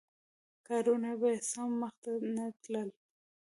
کارونه به یې سم مخته نه تلل.